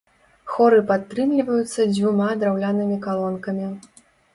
Хоры падтрымліваюцца дзвюма драўлянымі калонкамі.